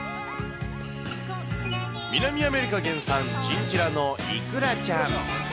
南アメリカ原産、チンチラのいくらちゃん。